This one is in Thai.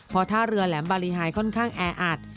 เพราะท่าเรือแหลมบาริฮัยค่อนข้างแออัด